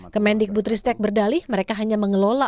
kemendik putri stek berdalih mereka hanya mengelola